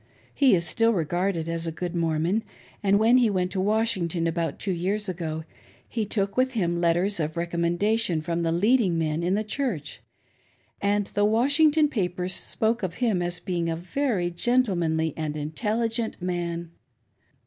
He is still regarded as a good Mormon; and when he went to Washington, about two years ago. he took with him letters of recommendation from the leading men in the Ghurch, and the Washington papers spoke of him as being a very gentlemanly and intelligent man.